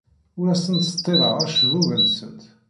Ur asen-ttseḍḍileɣ acebbub-nsen.